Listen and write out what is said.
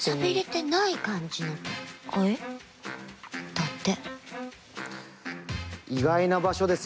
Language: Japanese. だって。